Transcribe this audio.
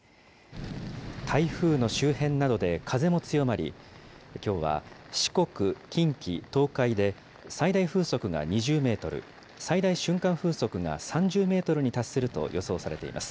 台風の周辺などで風も強まり、きょうは四国、近畿、東海で最大風速が２０メートル、最大瞬間風速が３０メートルに達すると予想されています。